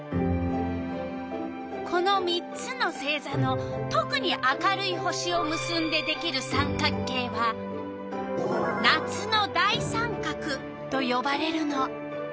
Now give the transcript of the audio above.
この３つの星座のとくに明るい星をむすんでできる三角形は「夏の大三角」とよばれるの。